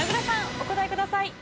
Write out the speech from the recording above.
お答えください。